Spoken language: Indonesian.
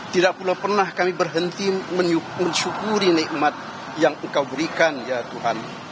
tidak pernah kami berhenti mensyukuri nikmat yang engkau berikan ya tuhan